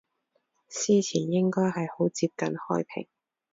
司前應該係好接近開平